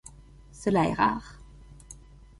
Cela est rare.